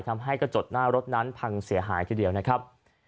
ทำให้กระจกหน้ารถนั้นพังเสียหายทีเดียวนะครับ